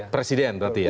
presiden berarti ya